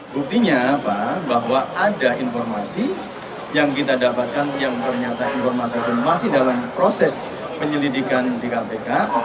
buktinya bahwa ada informasi yang kita dapatkan yang ternyata informasi itu masih dalam proses penyelidikan di kpk